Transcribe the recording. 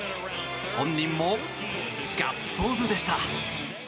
本人もガッツポーズでした。